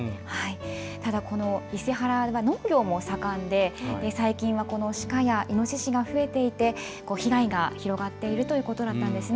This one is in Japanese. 伊勢原は農業も盛んで最近は鹿やイノシシが増えていて被害が広がっているということだったんです。